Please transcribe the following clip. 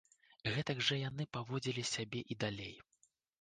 Гэтак жа яны паводзілі сябе і далей.